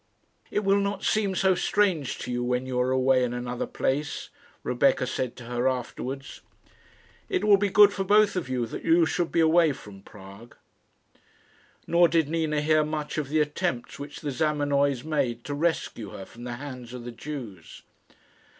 "It will not seem so strange to you when you are away in another place," Rebecca said to her afterwards. "It will be good for both of you that you should be away from Prague." Nor did Nina hear much of the attempts which the Zamenoys made to rescue her from the hands of the Jews.